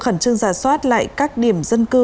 khẩn trương giả soát lại các điểm dân cư